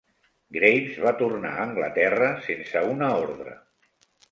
Graves va tornar a Anglaterra sense una ordre.